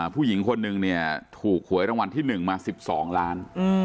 ผู้หญิงคนนึงเนี่ยถูกหวยรางวัลที่๑มา๑๒ล้าน